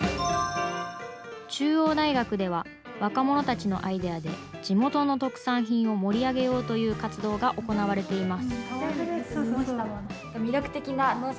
中央大学では、若者たちのアイデアで地元の特産品を盛り上げようという活動が行われています。